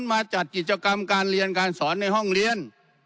มาจัดกิจกรรมการเรียนการสอนในห้องเรียน